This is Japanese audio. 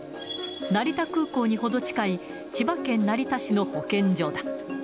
成田空港に程近い、千葉県成田市の保健所だ。